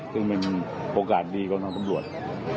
ซึ่งเป็นโอกาสดีของทางตำรวจ